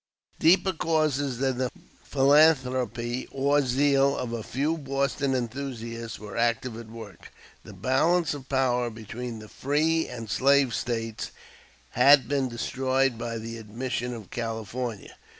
Deeper causes than the philanthropy or zeal of a few Boston enthusiasts were actively at work. The balance of power between the free and slave States had been destroyed by the admission of California.